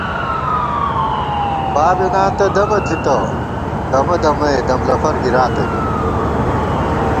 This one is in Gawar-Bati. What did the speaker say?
بابېناں تہ دَمہ تھِتہ ، دمہ دمَئے، دم لفر گِراتہ بی